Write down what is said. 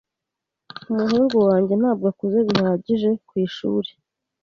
Umuhungu wanjye ntabwo akuze bihagije ku ishuri.